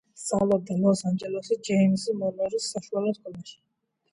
სწავლობდა ლოს-ანჯელესის ჯეიმზ მონროს საშუალო სკოლაში.